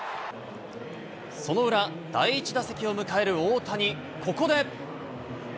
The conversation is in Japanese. その裏、第１打席を迎える大谷、ここで。